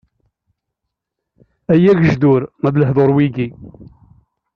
Ay agejdur ma lehduṛ wigi!